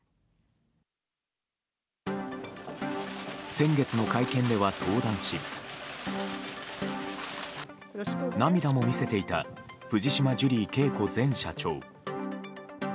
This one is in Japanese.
先月の会見では登壇し涙も見せていた藤島ジュリー景子前社長。